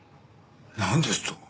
なんですと！？